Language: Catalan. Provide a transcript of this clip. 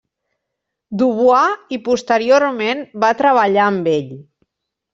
Du Bois i posteriorment va treballar amb ell.